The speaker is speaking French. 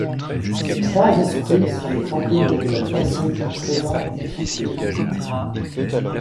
Ces trois esprits sont les fantômes des Noël passé, présent et futur.